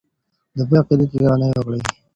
د بل عقيدې ته درناوی وکړو.